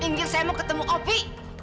minggir saya mau ketemu opi